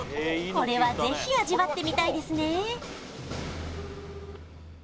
これはぜひ味わってみたいですね